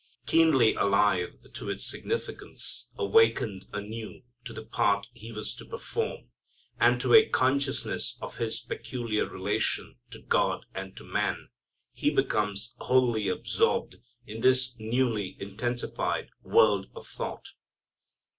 Keenly alive to its significance, awakened anew to the part He was to perform, and to a consciousness of His peculiar relation to God and to man, He becomes wholly absorbed in this newly intensified world of thought.